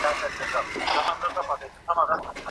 خلک باید د خوړو په اندازه پام وکړي.